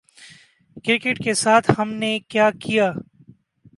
Cricket کے ساتھ ہم نے کیا کیا؟